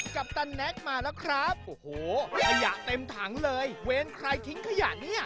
ปันแน็กมาแล้วครับโอ้โหขยะเต็มถังเลยเวรใครทิ้งขยะเนี่ย